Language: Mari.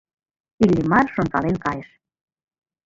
Иллимар шонкален кайыш.